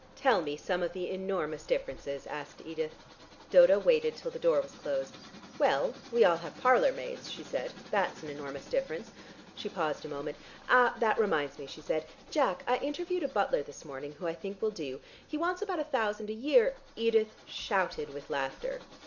"Tell me some of the enormous differences," asked Edith. Dodo waited till the door was closed. "Well, we all have parlour maids," she said. "That's an enormous difference." She paused a moment. "Ah, that reminds me," she said. "Jack, I interviewed a butler this morning, who I think will do. He wants about a thousand a year...." Edith shouted with laughter.